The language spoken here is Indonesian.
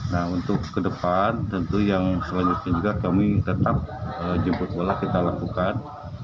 nah untuk ke depan tentu yang selanjutnya juga kami tetap jemput bola kita lakukan